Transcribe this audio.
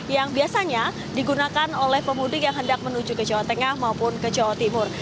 yang biasanya digunakan oleh pemudik yang hendak menuju ke jawa tengah maupun ke jawa timur